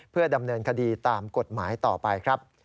เพื่อดำเนินคดีตามกฎหมายต่อไปครับ